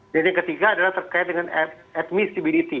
dan yang ketiga adalah terkait dengan admissibility